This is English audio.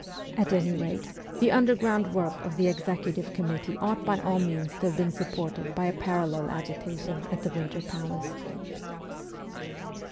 At any rate, the underground work of the executive committee ought by all means to have been supported by a parallel agitation at the Winter Palace.